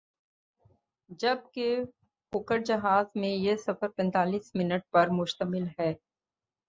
جبکہ فوکر جہاز میں یہ سفر پینتایس منٹ پر مشتمل ہے ۔